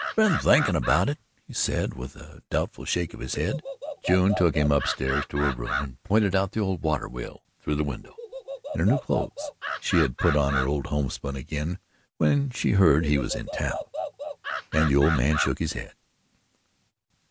"I been thinkin' 'bout it," he said, with a doubtful shake of his head. June took him upstairs to her room and pointed out the old water wheel through the window and her new clothes (she had put on her old homespun again when she heard he was in town), and the old man shook his head.